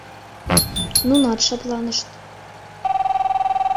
Нунат шыпланышт.